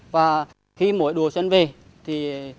và khi mỗi độ xuân về thì